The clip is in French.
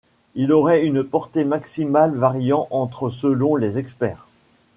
Il aurait une portée maximale variant entre selon les experts.